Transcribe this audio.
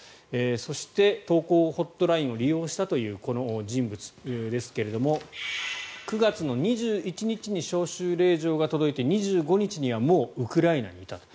そして、投降ホットラインを利用したというこの人物ですけれども９月２１日に招集令状が届いて２５日にはもうウクライナにいたと。